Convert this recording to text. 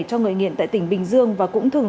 cho người nghiện tại tỉnh bình dương